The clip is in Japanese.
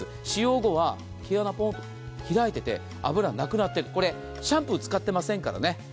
使用後は、毛穴が開いていて脂はなくなってる、これはシャンプー使ってませんからね。